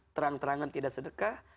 terang terangan tidak sedekah